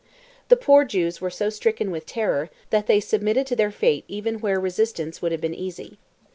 The poor Jews were so stricken with terror, that they submitted to their fate even where resistance would have been easy.